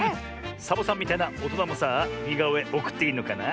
サボさんみたいなおとなもさあにがおえおくっていいのかな？